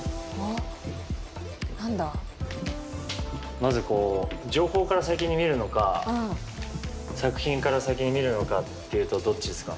まずこう情報から先に見るのか作品から先に見るのかっていうとどっちですか？